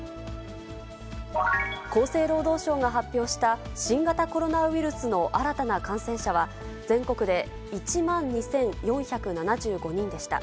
厚生労働省が発表した、新型コロナウイルスの新たな感染者は、全国で１万２４７５人でした。